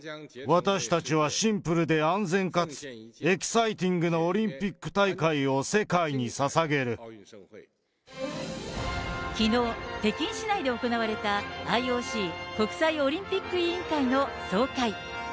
私たちは、シンプルで安全かつエキサイティングなオリンピック大会を世界にきのう、北京市内で行われたＩＯＣ・国際オリンピック委員会の総会。